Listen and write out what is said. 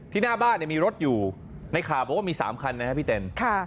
ที่หน้าบ้านเนี้ยมีรถอยู่ในข่าวบอกว่ามีสามคันนะฮะพี่เต็นค่ะ